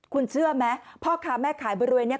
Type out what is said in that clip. คุณเชื่อไหมพ่อค้าแม่ขายบริเวณนี้